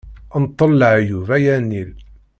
Nṭel leɛyub, ay anil.